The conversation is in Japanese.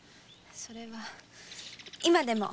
それは今でも。